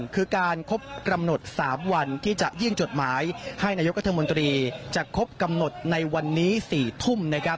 คือการครบกำหนด๓วันที่จะยื่นจดหมายให้นายกรัฐมนตรีจะครบกำหนดในวันนี้๔ทุ่ม